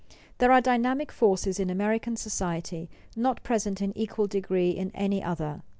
There are dynamic forces in American society not present in equal degree in any other.